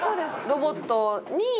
ロボットに。